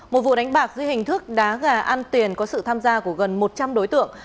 một vụ đánh bạc dưới hình thức đá gà ăn tiền có sự tham gia của gần một trăm linh đối tượng